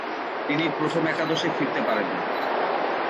তিনি প্রথম একাদশে ফিরতে পারেননি।